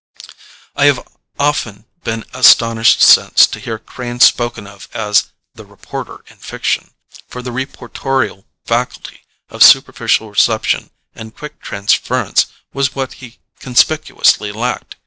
I have often been astonished since to hear Crane spoken of as "the reporter in fiction," for the reportorial faculty of superficial reception and quick transference was what he conspicuously lacked.